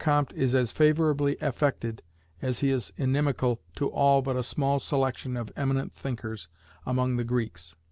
Comte is as favourably affected, as he is inimical to all but a small selection of eminent thinkers among the Greeks.